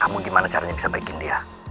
kamu gimana caranya bisa baikin dia